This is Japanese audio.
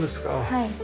はい。